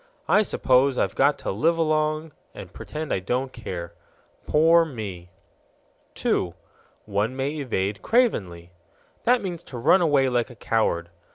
I suppose I've got to live along and pretend I don't care. Poor me!" 2. One may evade cravenly. That means to run away like a coward.